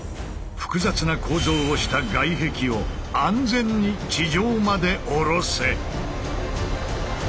複雑な構造をした外壁を安全に地上まで下ろせ！